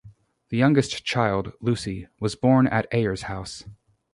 The youngest child, Lucy, was born at Ayers House.